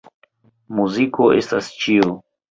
Muziko estas ĉio.